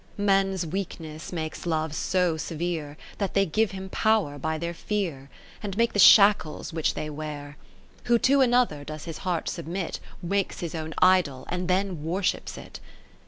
Men's weakness makes Love so severe, They give him power by their fear, And make the shackles which they wear. Who to another does his heart submit, Makes his own Idol, and then worships it.